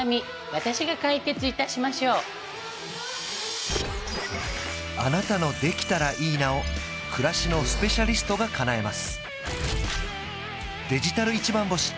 私が解決いたしましょうあなたの「できたらいいな」を暮らしのスペシャリストがかなえます